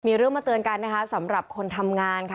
มีเรื่องมาเตือนกันนะคะสำหรับคนทำงานค่ะ